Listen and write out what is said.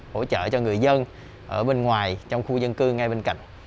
hỗ trợ cho người dân ở bên ngoài trong khu dân cư ngay bên cạnh